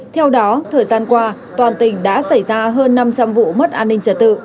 theo đó thời gian qua toàn tỉnh đã xảy ra hơn năm trăm linh vụ mất an ninh trật tự